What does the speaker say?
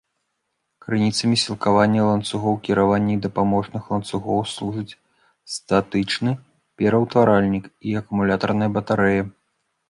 Крыніцамі сілкавання ланцугоў кіравання і дапаможных ланцугоў служыць статычны пераўтваральнік і акумулятарная батарэя.